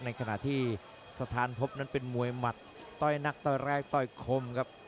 ในขณะที่สถานพบนั้นเป็นมวยหมัดต้อยนักต้อยแรกต้อยคมครับ